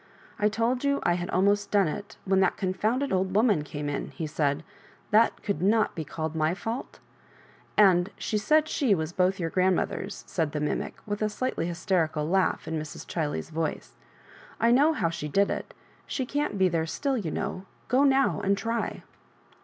" I told you I had almost done it when that confounded old woman came in," he said :" that could not be called my fault?" "And she said she was both your grand mothers," sai4 the mimie, with a slightly hysteri cal laugh in Mrs. Chiley's voice. " I know how she did it She can't be there still, you know — go now and try."